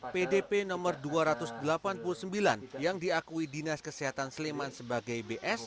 pdp nomor dua ratus delapan puluh sembilan yang diakui dinas kesehatan sleman sebagai bs